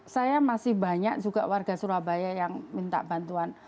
saya masih banyak juga warga surabaya yang minta bantuan